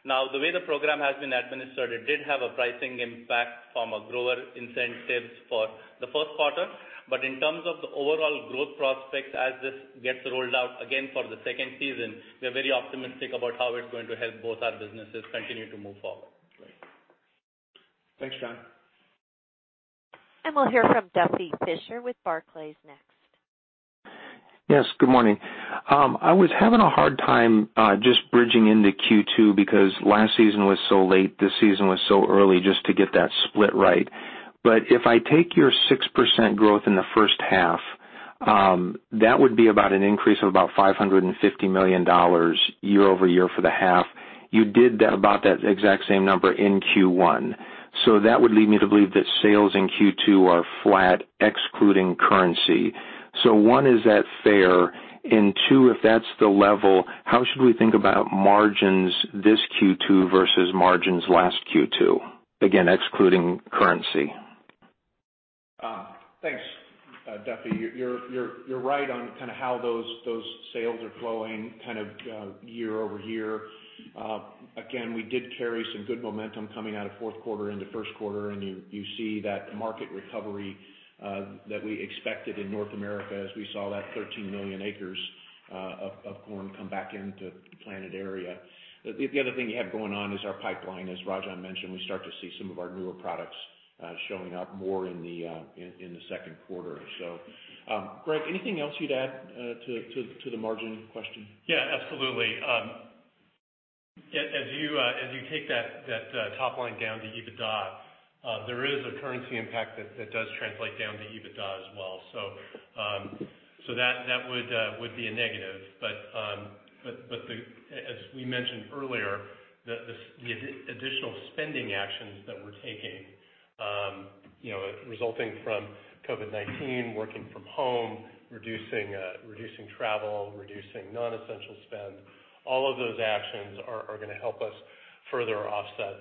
The way the program has been administered, it did have a pricing impact from a grower incentives for the first quarter. In terms of the overall growth prospects as this gets rolled out again for the second season, we are very optimistic about how it's going to help both our businesses continue to move forward. Great. Thanks, John. We'll hear from Duffy Fischer with Barclays next. Yes, good morning. I was having a hard time just bridging into Q2 because last season was so late, this season was so early, just to get that split right. If I take your 6% growth in the first half, that would be about an increase of about $550 million year-over-year for the half. You did about that exact same number in Q1. That would lead me to believe that sales in Q2 are flat, excluding currency. one, is that fair? two, if that's the level, how should we think about margins this Q2 versus margins last Q2? Again, excluding currency. Thanks, Duffy. You're right on how those sales are flowing year-over-year. We did carry some good momentum coming out of fourth quarter into first quarter, and you see that market recovery that we expected in North America as we saw that 13 million acres of corn come back into planted area. The other thing you have going on is our pipeline. As Rajan mentioned, we start to see some of our newer products showing up more in the second quarter or so. Greg, anything else you'd add to the margin question? Yeah, absolutely. As you take that top line down to EBITDA, there is a currency impact that does translate down to EBITDA as well. That would be a negative. As we mentioned earlier, the additional spending actions that we're taking resulting from COVID-19, working from home, reducing travel, reducing non-essential spend, all of those actions are going to help us further offset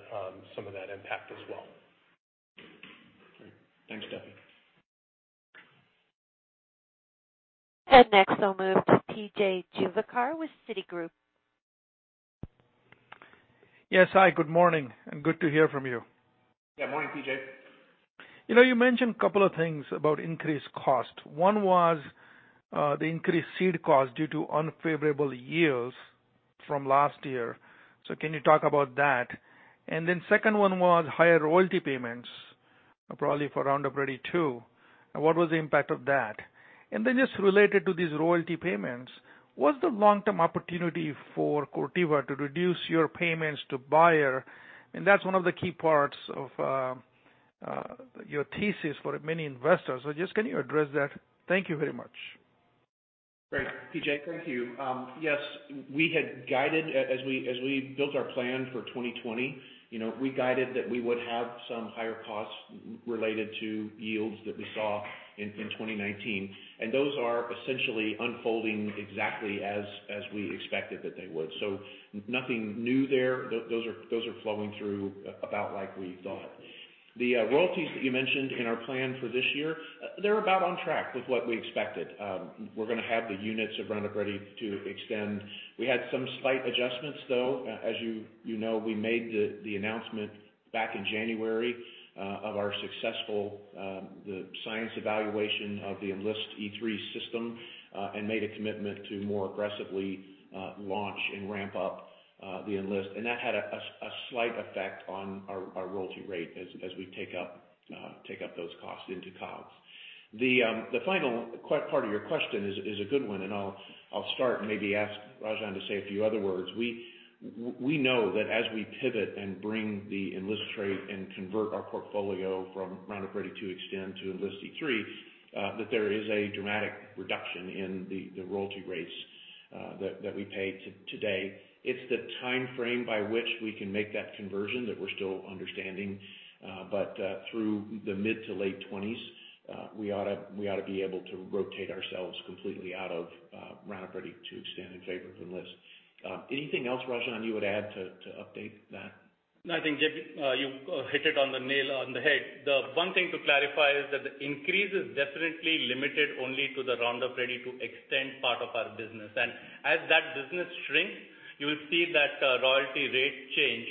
some of that impact as well. Great. Thanks, Duffy. Next, I'll move to P.J. Juvekar with Citigroup. Yes, hi, good morning, and good to hear from you. Yeah, morning, P.J. You mentioned a couple of things about increased cost. One was the increased seed cost due to unfavorable yields from last year. Can you talk about that? Then second one was higher royalty payments, probably for Roundup Ready 2. What was the impact of that? Then just related to these royalty payments, what's the long-term opportunity for Corteva to reduce your payments to Bayer? That's one of the key parts of your thesis for many investors. Just can you address that? Thank you very much. Great, P.J. Thank you. Yes. We had guided, as we built our plan for 2020, we guided that we would have some higher costs related to yields that we saw in 2019. Those are essentially unfolding exactly as we expected that they would. Nothing new there. Those are flowing through about like we thought. The royalties that you mentioned in our plan for this year, they're about on track with what we expected. We're going to have the units of Roundup Ready 2 Xtend. We had some slight adjustments, though. As you know, we made the announcement back in January of our successful science evaluation of the Enlist E3 system and made a commitment to more aggressively launch and ramp up the Enlist. That had a slight effect on our royalty rate as we take up those costs into COGS. The final part of your question is a good one, and I'll start and maybe ask Rajan to say a few other words. We know that as we pivot and bring the Enlist trait and convert our portfolio from Roundup Ready 2 Xtend to Enlist E3, that there is a dramatic reduction in the royalty rates that we pay today. It's the timeframe by which we can make that conversion that we're still understanding. Through the mid to late 20s, we ought to be able to rotate ourselves completely out of Roundup Ready 2 Xtend in favor of Enlist. Anything else, Rajan, you would add to update that? I think, P.J., you hit it on the nail on the head. The one thing to clarify is that the increase is definitely limited only to the Roundup Ready 2 Xtend part of our business. As that business shrinks, you will see that royalty rate change.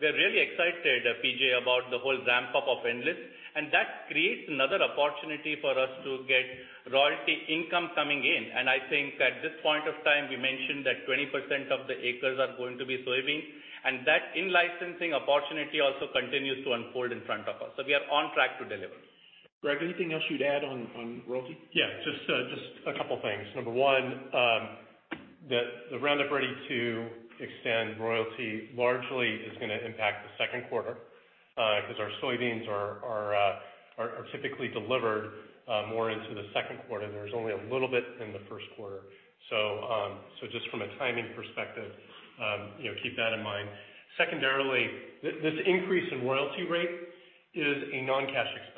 We're really excited, P.J., about the whole ramp-up of Enlist, and that creates another opportunity for us to get royalty income coming in. I think at this point of time, we mentioned that 20% of the acres are going to be soybean, and that in-licensing opportunity also continues to unfold in front of us. We are on track to deliver. Greg, anything else you'd add on royalty? Yeah, just a couple of things. Number one, the Roundup Ready 2 Xtend royalty largely is going to impact the second quarter because our soybeans are typically delivered more into the second quarter. There's only a little bit in the first quarter. Just from a timing perspective, keep that in mind. Secondarily, this increase in royalty rate is a non-cash expense.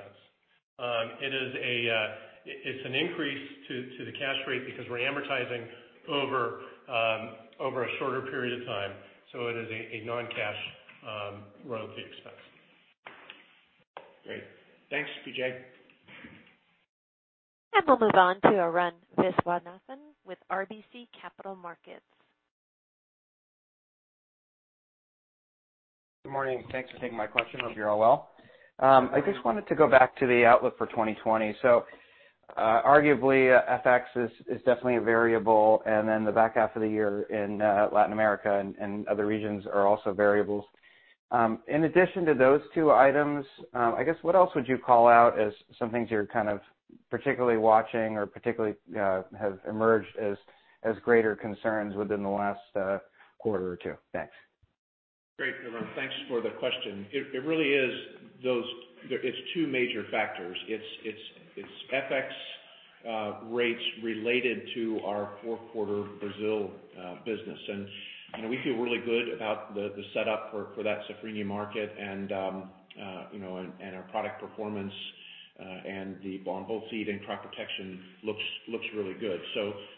It's an increase to the cash rate because we're amortizing over a shorter period of time. It is a non-cash royalty expense. Great. Thanks, P.J. We'll move on to Arun Viswanathan with RBC Capital Markets. Good morning. Thanks for taking my question. Hope you're all well. I just wanted to go back to the outlook for 2020. Arguably, FX is definitely a variable, and then the back half of the year in Latin America and other regions are also variables. In addition to those two items, I guess, what else would you call out as some things you're kind of particularly watching or particularly have emerged as greater concerns within the last quarter or two? Thanks. Great, Arun. Thanks for the question. It really is two major factors. It's FX rates related to our fourth quarter Brazil business. We feel really good about the setup for that safrinha market and our product performance and the both seed and crop protection looks really good.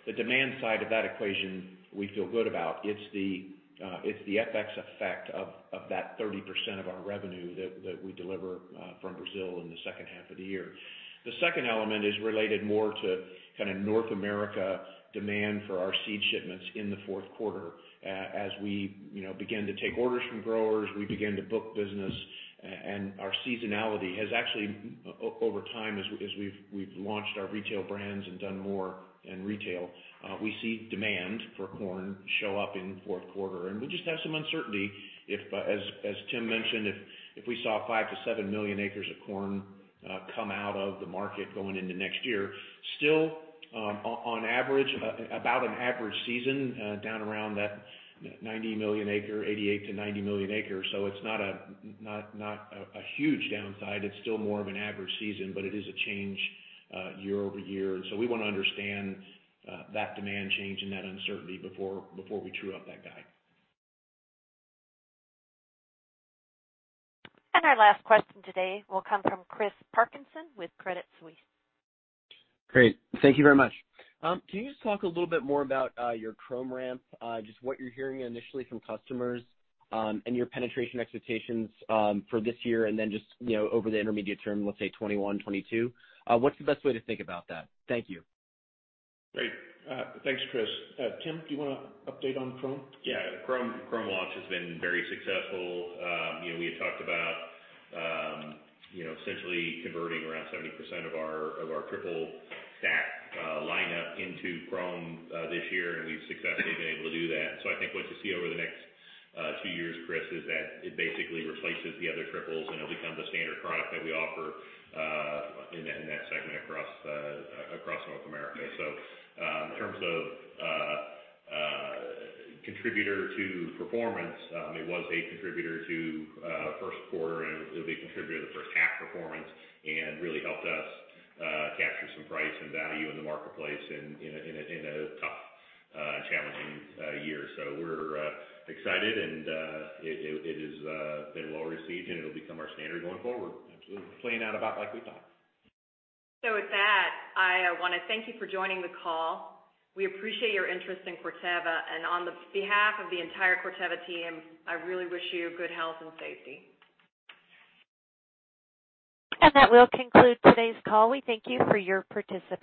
The demand side of that equation we feel good about. It's the FX effect of that 30% of our revenue that we deliver from Brazil in the second half of the year. The second element is related more to kind of North America demand for our seed shipments in the fourth quarter. As we begin to take orders from growers, we begin to book business, and our seasonality has actually, over time, as we've launched our retail brands and done more in retail, we see demand for corn show up in the fourth quarter. We just have some uncertainty if, as Tim mentioned, if we saw 5 million-7 million acres of corn come out of the market going into next year. On average, about an average season down around that 90 million acre, 88 million-90 million acre. It's not a huge downside. It's still more of an average season, but it is a change year-over-year. We want to understand that demand change and that uncertainty before we true up that guide. Our last question today will come from Chris Parkinson with Credit Suisse. Great. Thank you very much. Can you just talk a little bit more about your Qrome ramp, just what you're hearing initially from customers and your penetration expectations for this year and then just over the intermediate term, let's say 2021, 2022? What's the best way to think about that? Thank you. Great. Thanks, Chris. Tim, do you want to update on Qrome? Yeah. Qrome launch has been very successful. We had talked about essentially converting around 70% of our triple stack lineup into Qrome this year, and we've successfully been able to do that. I think what you'll see over the next two years, Chris, is that it basically replaces the other triples, and it'll become the standard product that we offer in that segment across North America. In terms of contributor to performance, it was a contributor to first quarter, and it'll be a contributor to first half performance and really helped us capture some price and value in the marketplace in a tough challenging year. We're excited, and it has been well received, and it'll become our standard going forward. Absolutely. Playing out about like we thought. With that, I want to thank you for joining the call. We appreciate your interest in Corteva, and on the behalf of the entire Corteva team, I really wish you good health and safety. That will conclude today's call. We thank you for your participation.